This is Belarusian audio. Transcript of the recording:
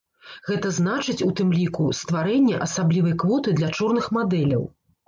Гэта значыць, у тым ліку, стварэнне асаблівай квоты для чорных мадэляў.